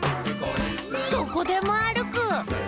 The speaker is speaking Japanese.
「どこでもあるく！」